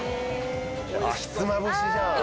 ひつまぶしじゃん。